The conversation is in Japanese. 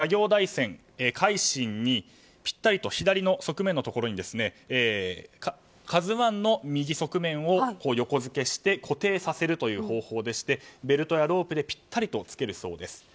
つり上げた「ＫＡＺＵ１」の船体を作業台船「海進」にぴったりと左の側面のところに「ＫＡＺＵ１」の右側面を横付けして固定させるという方法でしてベルトやロープでぴったりつけるそうです。